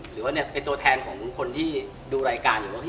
หรือว่าเป็นตัวแทนของคนที่ดูรายการอยู่ว่า